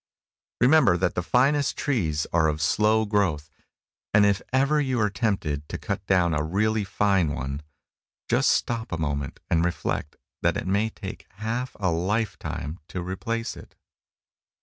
Remember that the finest trees are of slow growth; and if ever you are tempted to cut down a really fine one, just stop a moment and reflect that it may take half a lifetime to replace it.